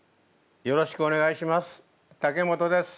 よろしくお願いします。